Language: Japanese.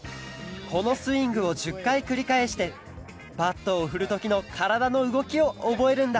このスイングを１０かいくりかえしてバットをふるときのからだのうごきをおぼえるんだ！